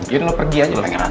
jadi lo pergi aja lah